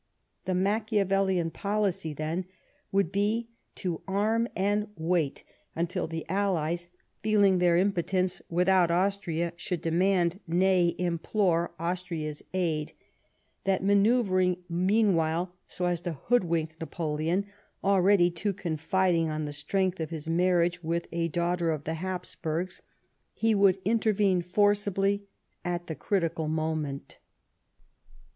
The Machiavellian policy, then, would be, to arm and wait until the allies, feeling their impotence without Austria, should demand, nay, implore, Austria's aid ; that, manoeuvring meanwhile so as to hoodwink Napoleon, already too confiding on the strength of his marriage with a daughter of the Habsburgs, he would intervene forcibly at the critical moment.